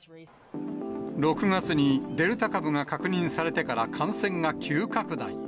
６月にデルタ株が確認されてから感染が急拡大。